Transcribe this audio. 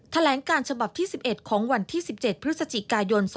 ทะแหลงการฉบับที่๑๑ของวันที่๑๗พก๒๕๕๘